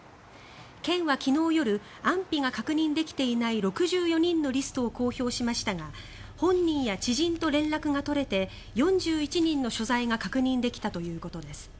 県は昨日夜安否が確認できていない６４人のリストを公表しましたが本人や知人と連絡が取れて４１人の所在が確認できたということです。